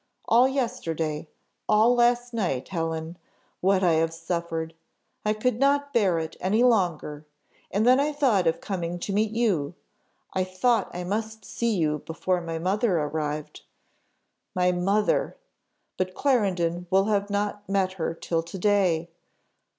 All yesterday, all last night, Helen, what I have suffered! I could not bear it any longer, and then I thought of coming to meet you. I thought I must see you before my mother arrived my mother! but Clarendon will not have met her till to day.